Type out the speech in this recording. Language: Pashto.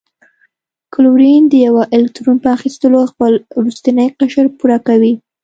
کلورین د یوه الکترون په اخیستلو خپل وروستنی قشر پوره کوي.